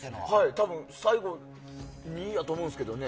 多分、最後は２だと思うんですけどね。